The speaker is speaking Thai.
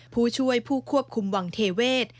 ผู้ช่วยผู้ควบคุมวังเทเวศ